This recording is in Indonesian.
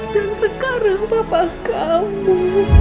dan sekarang papa kamu